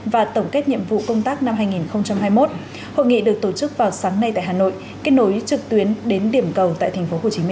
và tổng kết nhiệm vụ công tác năm hai nghìn hai mươi một hội nghị được tổ chức vào sáng nay tại hà nội kết nối trực tuyến đến điểm cầu tại tp hcm